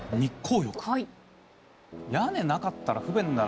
屋根なかったら不便だな。